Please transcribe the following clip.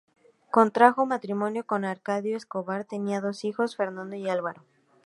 Contrajo matrimonio con Arcadio Escobar, tenía dos hijos, Fernando y Álvaro.